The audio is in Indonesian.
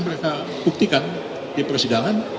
mereka buktikan di persidangan